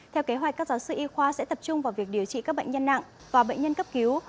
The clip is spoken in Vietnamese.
theo kế hoạch các giáo sư y khoa sẽ tập trung vào việc điều trị các bệnh nhân nặng và bệnh nhân cấp cứu